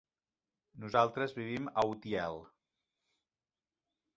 Nosaltres vivim a Utiel.